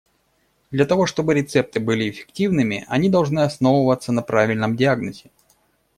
Для того чтобы рецепты были эффективными, они должны основываться на правильном диагнозе.